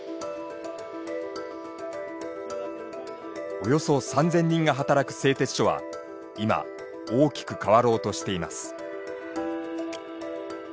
およそ３，０００人が働く製鉄所は今大きく変わろうとしています。